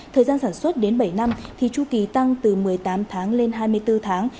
thời gian sản xuất đến bảy năm thì chu kỳ tăng từ một mươi tám tháng lên hai mươi bốn tháng